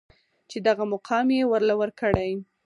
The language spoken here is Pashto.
چې دغه مقام يې ورله ورکړې.